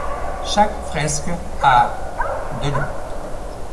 Chaque fresque a de long.